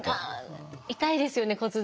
痛いですよね骨髄。